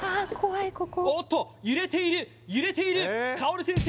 おおっと揺れている揺れている薫先生